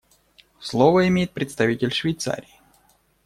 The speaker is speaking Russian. Слово имеет представитель Швейцарии.